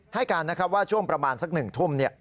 ให้การนะครับว่าช่วงประมาณสัก๑ทุ่ม